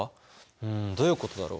うんどういうことだろ？